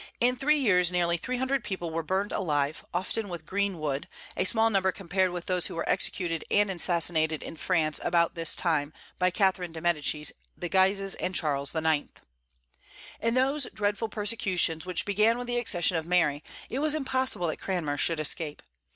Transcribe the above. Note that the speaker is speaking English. In three years nearly three hundred people were burned alive, often with green wood, a small number compared with those who were executed and assassinated in France, about this time, by Catherine de' Medicis, the Guises, and Charles IX. In those dreadful persecutions which began with the accession of Mary, it was impossible that Cranmer should escape.